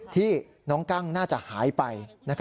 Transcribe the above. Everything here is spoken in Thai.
ที่น้องกั้งน่าจะหายไป